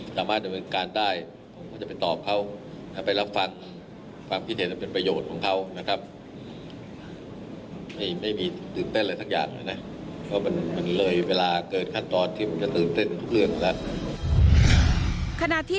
คณะที่๗พักร่วมฝ่ายค่า